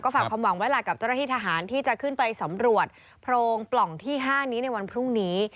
ฝากความหวังไว้ล่ะกับเจ้าหน้าที่ทหารที่จะขึ้นไปสำรวจโพรงปล่องที่๕นี้ในวันพรุ่งนี้